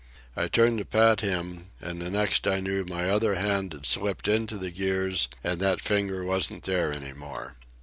I turned to pat him, and the next I knew my other hand had slipped into the gears and that finger wasn't there any more.